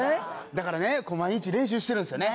だからね毎日練習してるんですよね。